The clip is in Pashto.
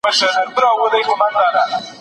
د لويي جرګې غړي څنګه ټاکل کېږي؟